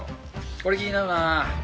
これ気になるな。